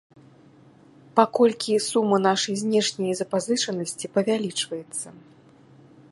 Паколькі сума нашай знешняй запазычанасці павялічваецца.